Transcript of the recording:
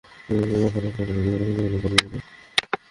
প্রযুক্তির ব্যবহার করে এটি তৈরি করা হয়েছে বলেও দাবি করেন তাঁরা।